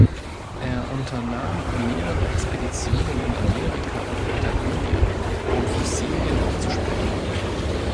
Er unternahm mehrere Expeditionen in Amerika und Patagonien, um Fossilien aufzuspüren.